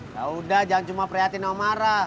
yaudah jangan cuma prihatin omara